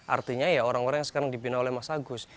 artinya ya orang orang yang sekarang dibina oleh mas agus